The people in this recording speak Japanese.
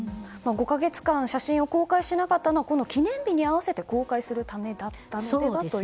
５か月間写真を公開しなかったのは記念日に合わせて公開するためだったのではと。